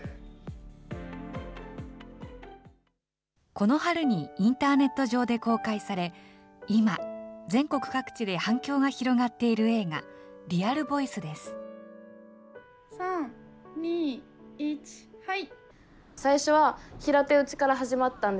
この春にインターネット上で公開され、今、全国各地で反響が広がっている映画、３、２、１、はい。